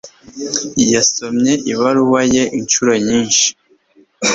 Yasomye ibaruwa ye inshuro nyinshi.